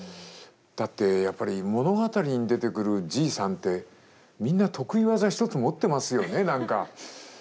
だってやっぱり物語に出てくるじいさんってみんな得意技一つ持ってますよね何か。